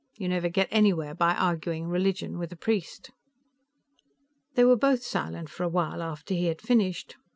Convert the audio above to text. You never get anywhere by arguing religion with a priest." They were both silent for a while after he had finished.